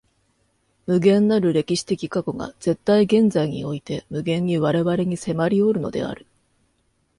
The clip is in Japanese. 無限なる歴史的過去が絶対現在において無限に我々に迫りおるのである。